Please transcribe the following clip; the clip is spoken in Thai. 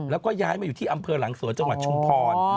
แล้วก็ย้ายมาอยู่ที่อำเภอหลังสวนจังหวัดชุมพร